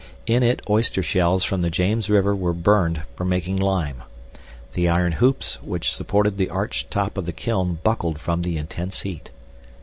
IN IT OYSTER SHELLS FROM THE JAMES RIVER WERE BURNED FOR MAKING LIME. THE IRON HOOPS WHICH SUPPORTED THE ARCHED TOP OF THE KILN BUCKLED FROM THE INTENSE HEAT.